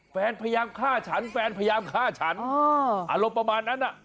พยายามฆ่าฉันแฟนพยายามฆ่าฉันอารมณ์ประมาณนั้น